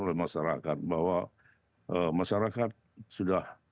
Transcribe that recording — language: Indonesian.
oleh masyarakat bahwa masyarakat sudah